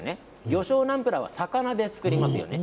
魚醤のナムプラーは魚で作りますね。